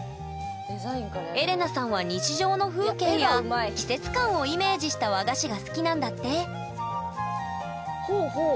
エレナさんは日常の風景や季節感をイメージした和菓子が好きなんだってほうほう。